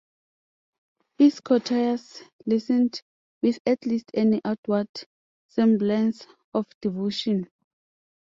His courtiers listened with at least an outward semblance of devotion.